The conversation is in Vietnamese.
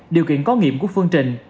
điều kiện có nghiệm của phương trình